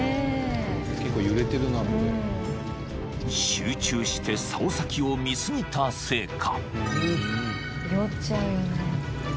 ［集中してさお先を見過ぎたせいか］